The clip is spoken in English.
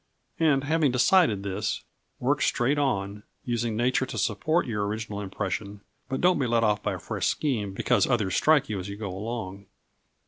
And having decided this, work straight on, using nature to support your original impression, but don't be led off by a fresh scheme because others strike you as you go along.